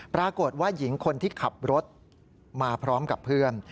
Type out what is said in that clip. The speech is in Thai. ปรากฏว่าหญิงคนที่ขับรถมาพร้อมกับเพื่อน